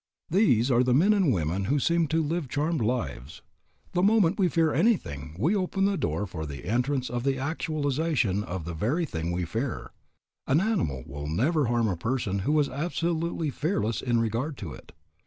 These are the men and the women who seem to live charmed lives. The moment we fear anything we open the door for the entrance of the actualization of the very thing we fear. An animal will never harm a person who is absolutely fearless in regard to it.